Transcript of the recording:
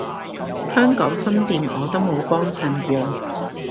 香港分店我都冇幫襯過